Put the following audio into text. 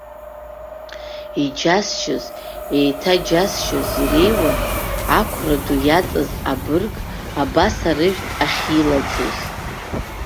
Иџьасшьоз, еиҭаџьасшьоз иреиуан ақәра ду иаҵаз абырг абас арыжәтә ахьилаӡоз.